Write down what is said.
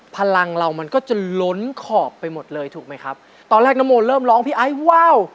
พลังเรามันก็จะล้นขอบไปหมดเลยถูกไหมครับตอนแรกนโมเริ่มร้องพี่ไอ้ว้าว